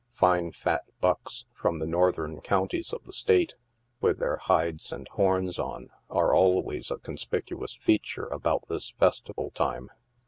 Fine fat bucks, from the northern counties of the State, with their hides and horns on, are always a conspicious feature about this festival time.